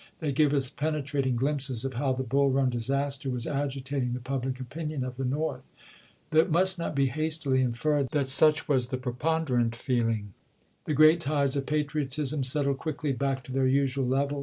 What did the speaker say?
They give us penetrating glimpses of how the Bull Run disaster was agitating the public opin ion of the North. But it must not be hastily in BULL KUN 367 ferred that such was the preponderant feeling. The chap. xx. great tides of patriotism settled qnickly back to their usual level.